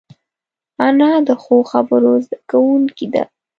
انا د ښو خبرو زده کوونکې ده